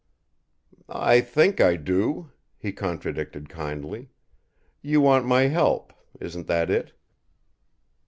"I think I do," he contradicted kindly. "You want my help; isn't that it?"